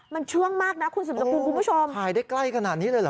มันช่วงมากนะคุณสุดสกุลคุณผู้ชมถ่ายได้ใกล้ขนาดนี้เลยเหรอ